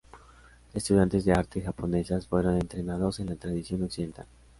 Estudiantes de arte japonesas fueron entrenados en la tradición occidental.